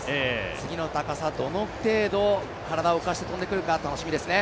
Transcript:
次の高さ、どの程度、体を浮かせて跳んでくるか楽しみですね。